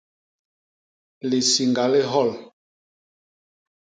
Lisiñga li hyol.